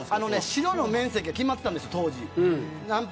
白の面積が決まっていたんです。